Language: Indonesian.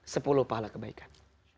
sepuluh pahala kebaikan